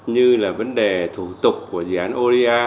như là vấn đề thủ tục của dự án oda